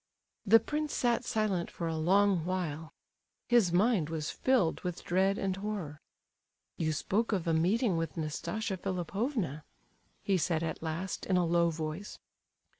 The prince sat silent for a long while. His mind was filled with dread and horror. "You spoke of a meeting with Nastasia Philipovna," he said at last, in a low voice.